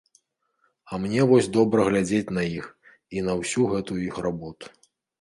А мне вось добра глядзець на іх і на ўсю гэтую іх работу.